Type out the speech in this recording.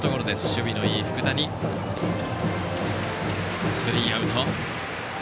守備のいい福谷、さばいてスリーアウト。